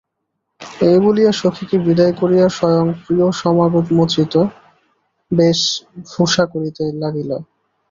এই বলিয়া সখীকে বিদায় করিয়া স্বয়ং প্রিয়সমাগমোচিত বেশ ভূষা করিতে লাগিল।